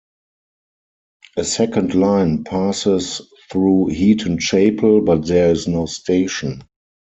A second line passes though Heaton Chapel but there is no station.